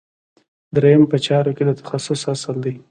دریم په چارو کې د تخصص اصل دی.